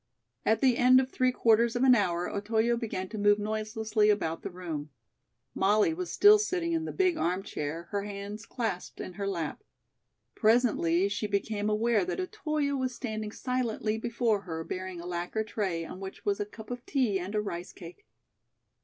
At the end of three quarters of an hour, Otoyo began to move noiselessly about the room. Molly was still sitting in the big arm chair, her hands clasped in her lap. Presently she became aware that Otoyo was standing silently before her bearing a lacquer tray on which was a cup of tea and a rice cake.